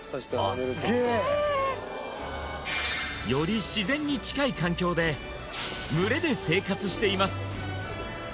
すげえより自然に近い環境で群れで生活しています